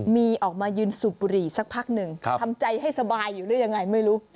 มีออกมายืนสูบบุหรี่สักพักหนึ่งทำใจให้สบายอยู่หรือยังไงไม่รู้